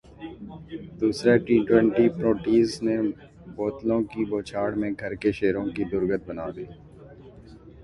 دوسرا T twenty Proteas نے بوتلوں کی بوچھاڑمیں گھر کے شیروں کی درگت بنادی